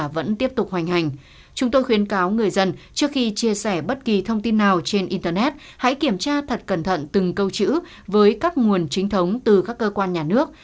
vẫn tiếp tục hoành hành chúng tôi khuyến cáo người dân trước khi chia sẻ bất kỳ thông tin nào trên internet hãy kiểm tra thật cẩn thận từng câu chữ với các nguồn chính thống từ các cơ quan nhà nước